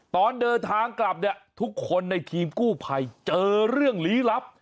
ตอนเดินทางกลับเนี่ยทุกคนในทีมกู้ภัยเจอเรื่องลี้ลับ